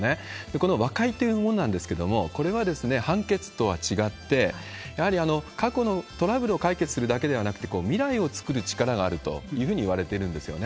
この和解というものなんですけれども、これは判決とは違って、やはり過去のトラブルを解決するだけではなくて、未来を作る力があるというふうにいわれているんですよね。